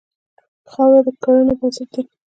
خاوره د کرنې بنسټ دی.